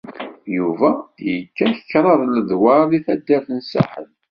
Yuba yekka kraḍ ledwaṛ deg taddart n Saḥel.